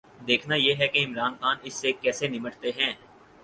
دیکھنا یہ ہے کہ عمران خان اس سے کیسے نمٹتے ہیں۔